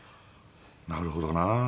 なるほどな。